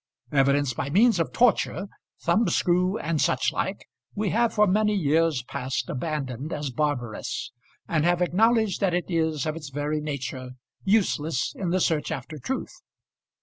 Evidence by means of torture, thumbscrew and suchlike, we have for many years past abandoned as barbarous, and have acknowledged that it is of its very nature useless in the search after truth.